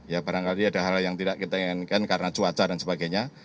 ya barangkali ada hal yang tidak kita inginkan karena cuaca dan sebagainya